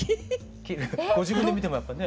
ご自分で見てもやっぱりね。